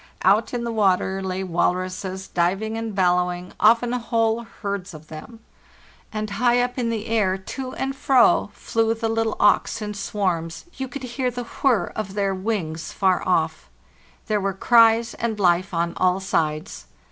Out in the water lay walruses, diving 410 FARLALIST NORTE and bellowing, often whole herds of them; and high up in the air, to and fro, flew the little auks in swarms; you could hear the whir of their wings far off. There were cries and life on all sides.